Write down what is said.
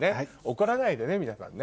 怒らないでね皆さんね。